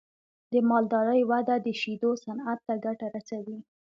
د مالدارۍ وده د شیدو صنعت ته ګټه رسوي.